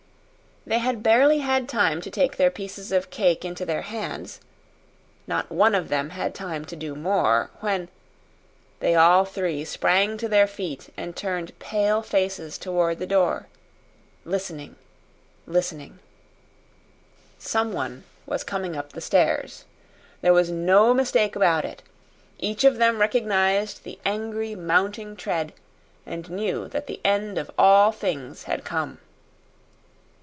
They had barely had time to take their pieces of cake into their hands not one of them had time to do more, when they all three sprang to their feet and turned pale faces toward the door listening listening. Someone was coming up the stairs. There was no mistake about it. Each of them recognized the angry, mounting tread and knew that the end of all things had come.